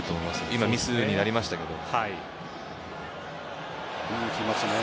今、ミスになりましたけど。